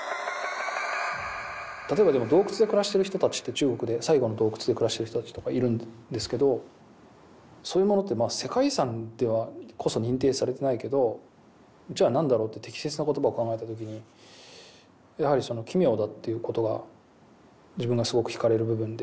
例えば洞窟で暮らしてる人たちって中国で最後の洞窟で暮らしてる人たちとかいるんですけどそういうものって世界遺産ではこそ認定されてないけどじゃあ何だろうって適切な言葉を考えた時にやはり奇妙だっていうことが自分がすごくひかれる部分で。